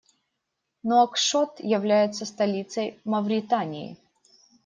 Нуакшот является столицей Мавритании.